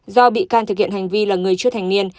do bị can thực hiện hành vi là người chưa thành niên